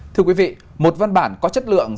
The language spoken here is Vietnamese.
thưa quý vị một văn bản có chất lượng